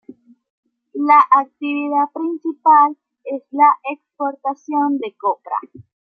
La actividad principal es la exportación de copra.